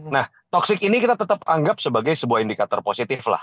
nah toxic ini kita tetap anggap sebagai sebuah indikator positif lah